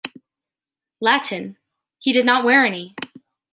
Latin!... he did not wear any!